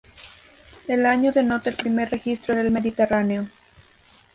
El año denota el primer registro en el Mediterráneo.